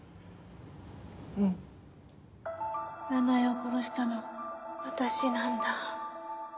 奈々江を殺したの私なんだ。